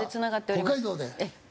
北海道で。